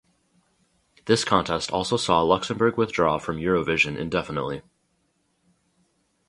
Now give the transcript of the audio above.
This contest also saw Luxembourg withdraw from Eurovision indefinitely.